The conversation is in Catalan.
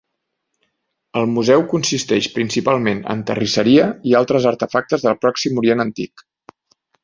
El museu consisteix principalment en terrisseria i altres artefactes del Pròxim Orient antic.